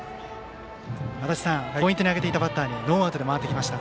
足達さん、ポイントに挙げていたバッターにノーアウトで回ってきました。